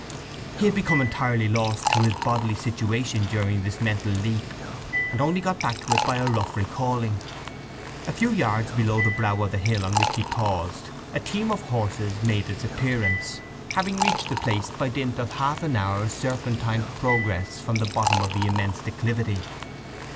He had become entirely lost to his bodily situation during this mental leap, and only got back to it by a rough recalling. A few yards below the brow of the hill on which he paused a team of horses made its appearance, having reached the place by dint of half an hour's serpentine progress from the bottom of the immense declivity.